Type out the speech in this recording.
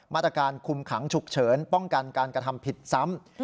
มาตรการคุมขังฉุกเฉินป้องกันการกระทำผิดซ้ำ